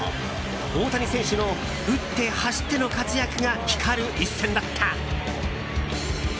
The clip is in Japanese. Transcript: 大谷選手の打って走っての活躍が光る一戦だった。